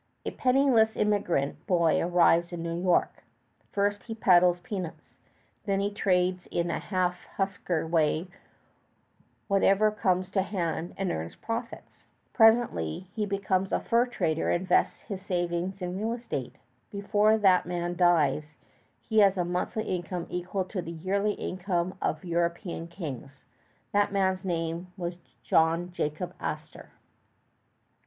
A penniless immigrant boy arrives in New York. First he peddles peanuts, then he trades in a half huckster way whatever comes to hand and earns profits. Presently he becomes a fur trader and invests his savings in real estate. Before that man dies, he has a monthly income equal to the yearly income of European kings. That man's name was John Jacob Astor.